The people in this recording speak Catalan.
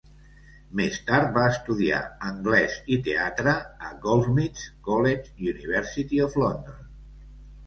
Més tard va estudiar Anglès i Teatre a Goldsmiths' College, University of London.